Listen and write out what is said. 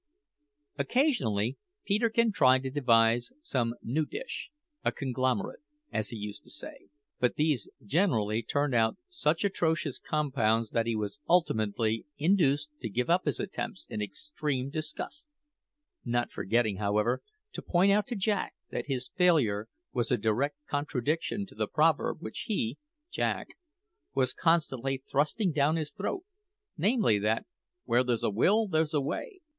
Occasionally Peterkin tried to devise some new dish "a conglomerate," as he used to say; but these generally turned out such atrocious compounds that he was ultimately induced to give up his attempts in extreme disgust not forgetting, however, to point out to Jack that his failure was a direct contradiction to the proverb which he (Jack) was constantly thrusting down his throat namely, that "where there's a will there's a way."